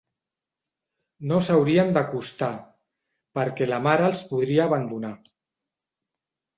No s'haurien d'acostar, perquè la mare els podria abandonar.